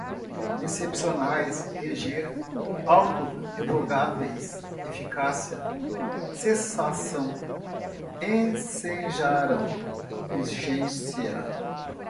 excepcionais, reger, auto-revogáveis, eficácia, cessação, ensejaram, vigência